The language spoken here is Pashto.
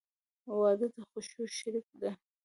• واده د خوښیو شریکه ده.